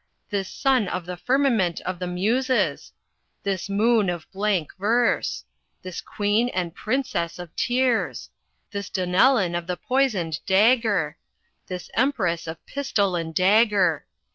this sun of the firmament of the Muses! this moon of blank verse! this queen and princess of tears! this Donellan of the poisoned dagger! this empress of pistol and dagger!